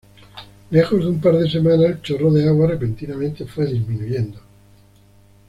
Lejos de un par de semanas, el chorro de agua repentinamente fue disminuyendo.